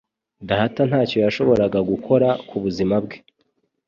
Data ntacyo yashoboraga gukora ku buzima bwe.